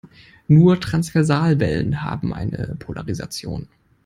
Nur Transversalwellen haben eine Polarisation.